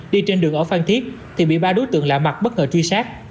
đi trên đường ở phan thiết thì bị ba đối tượng lạ mặt bất ngờ truy sát